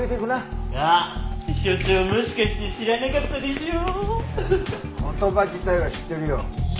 言葉自体は知ってるよ。